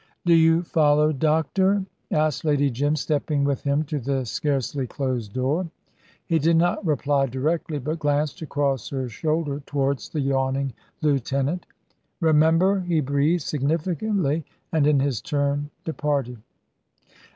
"Do you follow, doctor?" asked Lady Jim, stepping with him to the scarcely closed door. He did not reply directly, but glanced across her shoulder towards the yawning lieutenant. "Remember," he breathed significantly, and in his turn departed.